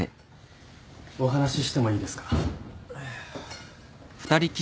お話してもいいですか？